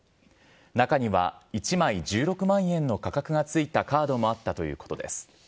中には１枚１６万円の価格がついたカードもあったということです。